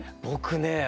僕ね